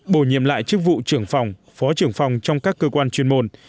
bổ nhiệm lại chức vụ trưởng phòng phó trưởng phòng trong các cơ quan chuyên môn